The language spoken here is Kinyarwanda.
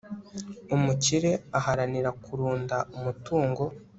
umukire aharanira kurunda umutungo